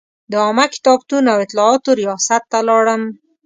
د عامه کتابتون او اطلاعاتو ریاست ته لاړم.